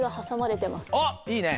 あっいいね。